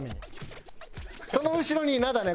その後ろに稲田ね。